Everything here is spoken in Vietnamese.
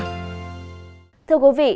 thưa quý vị